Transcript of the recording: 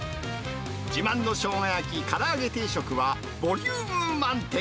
自慢のしょうが焼き、から揚げ定食はボリューム満点。